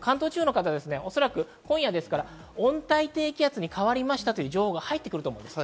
関東地方の方、おそらく今夜、温帯低気圧に変わりましたという情報が入ってくると思います。